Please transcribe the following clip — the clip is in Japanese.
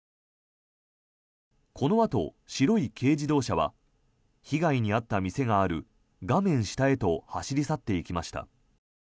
このあと、白い軽自動車は被害に遭った店がある画面下へと走り去っていきました。